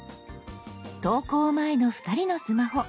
投稿前の２人のスマホ。